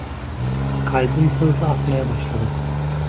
Kalbim hızla atmaya başladı.